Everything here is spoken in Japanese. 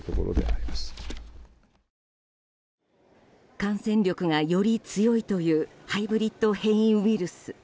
感染力がより強いというハイブリッド変異ウイルス。